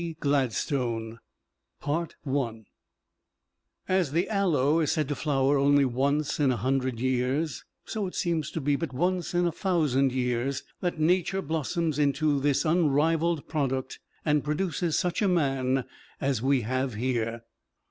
GLADSTONE As the aloe is said to flower only once in a hundred years, so it seems to be but once in a thousand years that Nature blossoms into this unrivaled product and produces such a man as we have here.